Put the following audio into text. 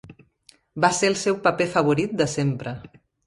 Va ser el seu paper favorit de sempre.